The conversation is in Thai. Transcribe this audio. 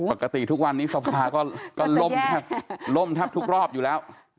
ปกติทุกวันนี้สภาก็ล่มแทบล่มแทบทุกรอบอยู่แล้ว